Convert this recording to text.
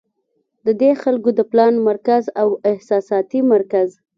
د دې خلکو د پلان مرکز او احساساتي مرکز